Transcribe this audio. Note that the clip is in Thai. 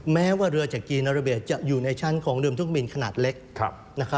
แม้ว่าเรือจากกีธนรเบียจะอยู่ในชั้นของเรือมทุกข้างบินขนาดเล็ก